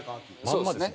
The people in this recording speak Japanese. そうですね。